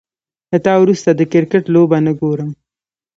له تا وروسته، د کرکټ لوبه نه ګورم